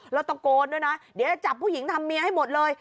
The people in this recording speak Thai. แล้วตะโกนด้วยนะเดี๋ยวจะจับผู้หญิงทำเมียให้หมดเลย